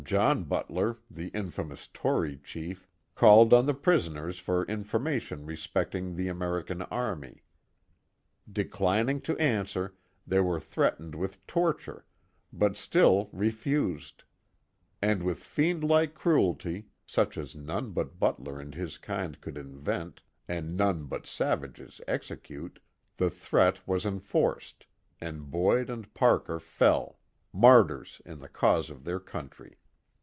John Butler — the infamous Tory chief — called on the prisoners for information respecting the American army. Declining to answer, they were threatened with torture, but still lefused; and with fiend like cruelty — such as none but Butler and his kind could invent, and none but savages execute — the threat was enforced, and Boyd and Parker fell, martyrs in the cause of their country.